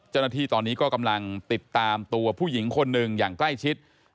เจ้าหน้าที่ตอนนี้ก็กำลังติดตามตัวผู้หญิงคนหนึ่งอย่างใกล้ชิด